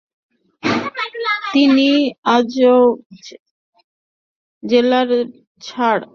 তিনি আজমগড় জেলার ছাঁউ গ্রামের অধিবাসী ছিলেন।